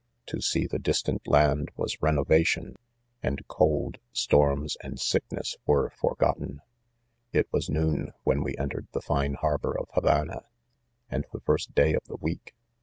To see the distant land was ren ovation, and cold 7 storms, and sickness were forgotten. c It was noon when we entered the fine har bor: of Havana, and the first day of the week.